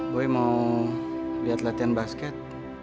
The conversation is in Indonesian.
boy mau liat latihan basket